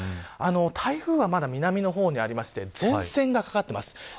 台風は、まだ南の方にありまして前線がかかっています。